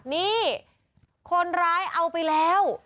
นี่คนร้ายเอาไปแล้ว